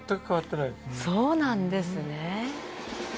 そうなんですね。